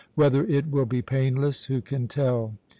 Whether it will be painless, who can tell?